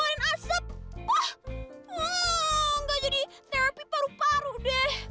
wah waaah nggak jadi therapy paru paru deh